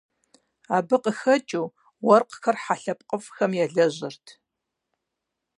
Абы къыхэкӀыу, уэркъхэр хьэ лъэпкъыфӀхэм елэжьырт.